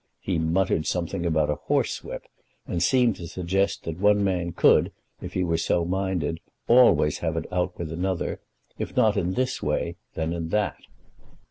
He muttered something about a horsewhip, and seemed to suggest that one man could, if he were so minded, always have it out with another, if not in this way, then in that.